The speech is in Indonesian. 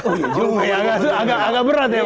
oh iya agak berat ya pak